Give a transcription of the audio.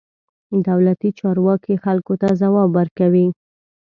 دولتي چارواکي خلکو ته ځواب ورکوي.